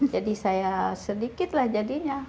jadi saya sedikitlah jadinya